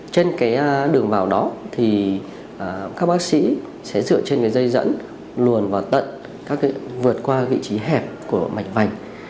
trên cái đường vào đó thì các bác sĩ sẽ dựa trên cái dây dẫn luồn vào tận vượt qua vị trí hẹp của mạch vành